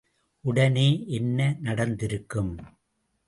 உடனே என்ன நடந்திருக்கும்?